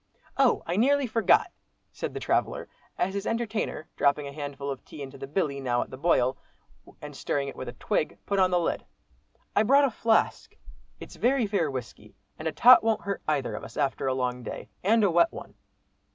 "Oh! I nearly forgot," said the traveller, as his entertainer, dropping a handful of tea into the "billy," now at the boil, and stirring it with a twig, put on the lid. "I brought a flask, it's very fair whisky, and a tot won't hurt either of us, after a long day and a wet one."